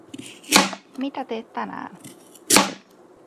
Mitä teet tänään?